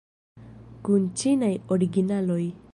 Kun ĉinaj originaloj.